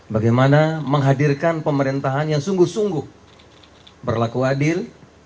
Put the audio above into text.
bagaimana menghadirkan pemerintahan yang sungguh sungguh berlaku adil